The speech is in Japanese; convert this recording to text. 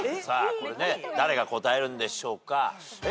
さあこれね誰が答えるんでしょうか。